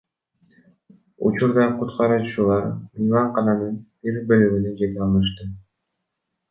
Учурда куткаруучулар мейманкананын бир бөлүгүнө жете алышты.